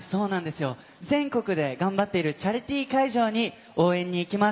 全国で頑張っているチャリティー会場に応援に行きます。